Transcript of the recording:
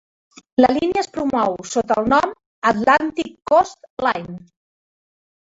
La línia es promou sota el nom "Atlantic Coast Line".